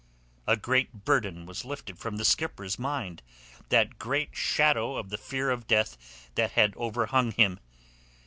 A great burden was lifted from the skipper's mind—that great shadow of the fear of death that had overhung him.